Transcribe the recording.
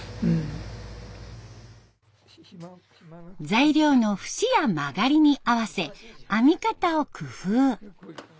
材料の節や曲がりに合わせ編み方を工夫。